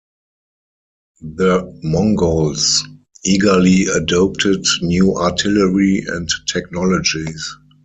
The Mongols eagerly adopted new artillery and technologies.